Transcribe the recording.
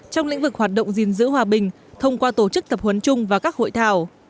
trong lĩnh vực hoạt động gìn giữ hòa bình thông qua tổ chức tập huấn chung và các hội thảo